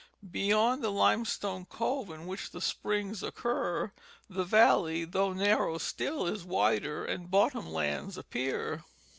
Beyond the limestone cove in which the sj^rings occur, the valley, though narrow still, is wider and bottom lands appear.